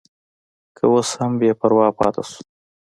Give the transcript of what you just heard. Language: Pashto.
که اوس هم بې پروا پاتې شو.